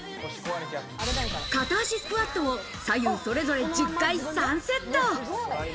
片足スクワットを左右それぞれ、１０回、３セット。